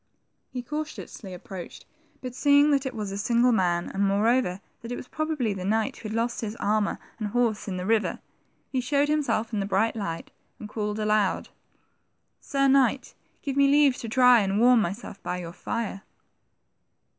He cautiously approached, but seeing that it was a single man, and moreover that it was probably the knight who had lost his armor and horse in the river, he showed himself in the bright light, and called aloud, Sir Knight, give me leave to dry and warm myself by your fire."